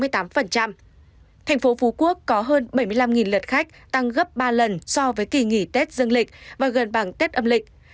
thành phố phú quốc có hơn bảy mươi năm lượt khách tăng gấp ba lần so với kỳ nghỉ tết dương lịch và gần bằng tết âm lịch